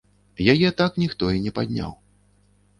Яе так ніхто і не падняў.